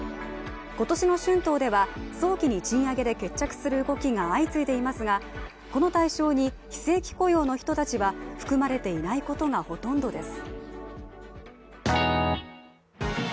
今年の春闘では早期に賃上げで決着する動きが相次いでいますがこの対象に非正規雇用の人たちは含まれていないことがほとんどです。